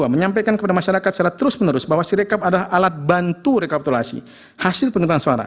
menyampaikan kepada masyarakat secara terus menerus bahwa sirekap adalah alat bantu rekapitulasi hasil penutupan suara